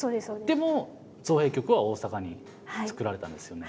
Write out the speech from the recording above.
でも造幣局は大阪につくられたんですよね。